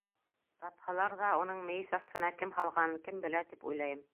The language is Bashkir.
Тапһалар ҙа, уның мейес аҫтына кем һалғанын кем белә, тип уйлайым.